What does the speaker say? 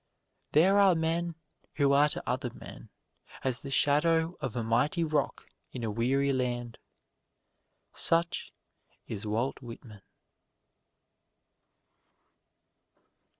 There are men who are to other men as the shadow of a mighty rock in a weary land such is Walt Whitman.